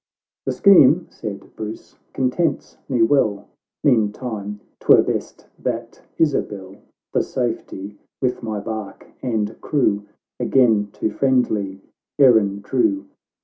— XI " The scheme," said Bruce, " contents me well • Meantime, 'twere best that Isabel, For safety, with my bark and crew, Again to friendly Erin drew.